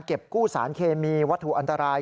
กู้สารเคมีวัตถุอันตราย